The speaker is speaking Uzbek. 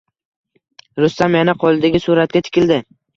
Rustam yana qo`lidagi suratga tikildi